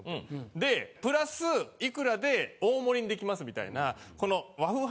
で「プラスいくらで大盛りにできます」みたいなこの。